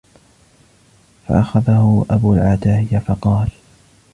فَأَخَذَهُ أَبُو الْعَتَاهِيَةِ فَقَالَ